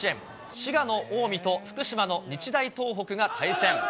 滋賀の近江と福島の日大東北が対戦。